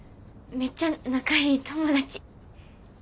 めっちゃ仲良い友達。